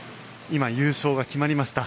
今、優勝が決まりました。